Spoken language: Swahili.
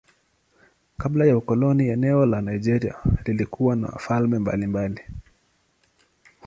Kabla ya ukoloni eneo la Nigeria lilikuwa na falme mbalimbali.